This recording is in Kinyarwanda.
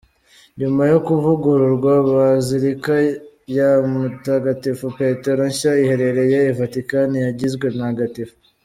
Nyuma yo kuvugururwa, Bazilika ya Mutagatifu Petero nshya, iherereye I Vatican yagizwe ntagatifu.